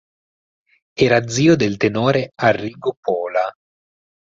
Era zio del tenore Arrigo Pola.